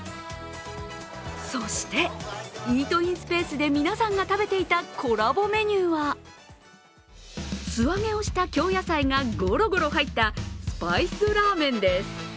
そして、イートインスペースで皆さんが食べていたコラボメニューは素揚げをした京野菜がゴロゴロ入ったスパイスラーメンです。